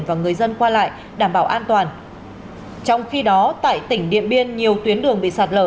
và người dân qua lại đảm bảo an toàn trong khi đó tại tỉnh điện biên nhiều tuyến đường bị sạt lở